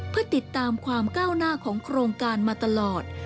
เพื่อติดตามความก้าวหน้าของโครงการมาตลอด